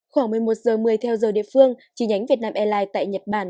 khoảng một mươi một h một mươi theo giờ địa phương chi nhánh việt nam airlines tại nhật bản